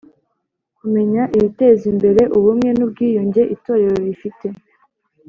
Kumenya ibiteza imbere ubumwe n ubwiyunge Itorero rifite